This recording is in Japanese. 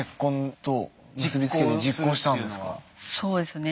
そうですね。